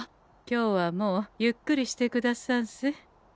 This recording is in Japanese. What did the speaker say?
今日はもうゆっくりしてくださんせ。